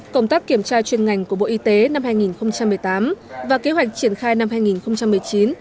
cộng tác kiểm tra chuyên ngành của bộ y tế năm hai nghìn một mươi tám và kế hoạch triển khai năm hai nghìn một mươi chín hai nghìn hai mươi